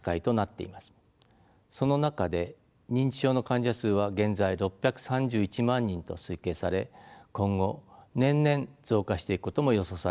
その中で認知症の患者数は現在６３１万人と推計され今後年々増加していくことも予想されています。